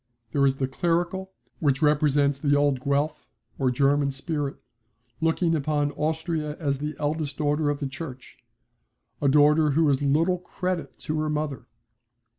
There is the clerical, which represents the old Guelph or German spirit, looking upon Austria as the eldest daughter of the Church a daughter who is little credit to her mother.